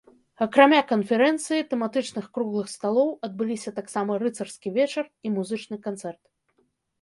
Акрамя канферэнцыі, тэматычных круглых сталоў адбыліся таксама рыцарскі вечар і музычны канцэрт.